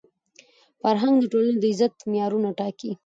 فرهنګ د ټولني د عزت معیارونه ټاکي.